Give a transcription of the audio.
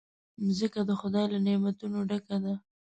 مځکه د خدای له نعمتونو ډکه ده.